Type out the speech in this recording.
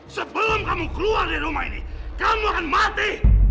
sebelum kamu keluar dari rumah ini kamu akan mati